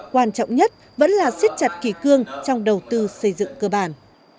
quan trọng nhất vẫn là siết chặt kỳ cương trong đầu tư xây dựng cơ bản